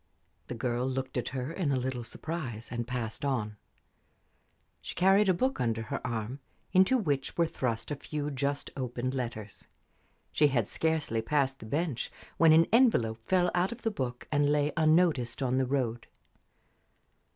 The girl looked at her in a little surprise and passed on. She carried a book under her arm, into which were thrust a few just opened letters. She had scarcely passed the bench when an envelope fell out of the book and lay unnoticed on the road.